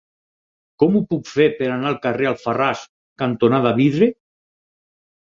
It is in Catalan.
Com ho puc fer per anar al carrer Alfarràs cantonada Vidre?